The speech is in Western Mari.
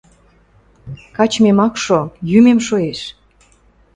Качмем ак шо, йӱмем шоэш.